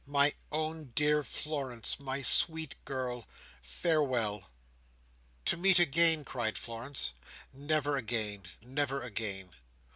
My own dear Florence, my sweet girl, farewell!" "To meet again!" cried Florence. "Never again! Never again!